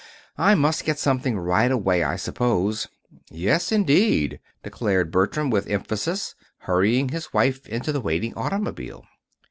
I must get something right away, I suppose." "Yes, indeed," declared Bertram, with emphasis, hurrying his wife into the waiting automobile.